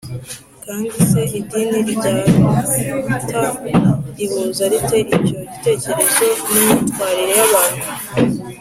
kandi se idini rya tao rihuza rite icyo gitekerezo n’imyitwarire y’abantu?